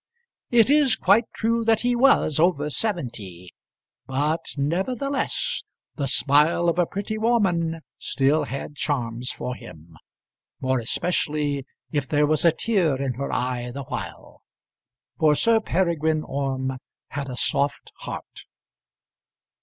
It is quite true that he was over seventy; but nevertheless the smile of a pretty woman still had charms for him, more especially if there was a tear in her eye the while; for Sir Peregrine Orme had a soft heart.